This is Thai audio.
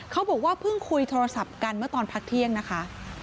เขาบอกว่าเพิ่งคุยโทรศัพท์กันเมื่อตอนพักเที่ยงนะคะ